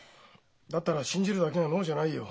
だったら信じるだけが能じゃないよ。